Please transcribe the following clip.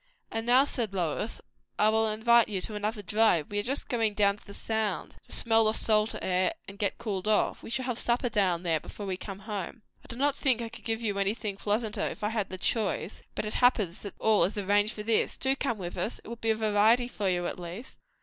"And now," said Lois, "I will invite you to another drive. We are just going down to the Sound, to smell the salt air and get cooled off. We shall have supper down there before we come home. I do not think I could give you anything pleasanter, if I had the choice; but it happens that all is arranged for this. Do come with us; it will be a variety for you, at least."